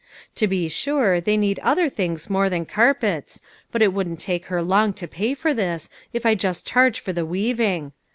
To be sure they need other things more than carpets, but it wouldn't take her long to pay for this, if I just charge for the weaving.